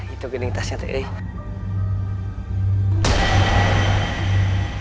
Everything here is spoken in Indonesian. itu gini tasnya teh